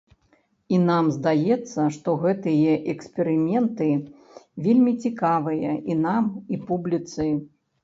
І нам здаецца, што гэтыя эксперыменты вельмі цікавыя і нам, і публіцы.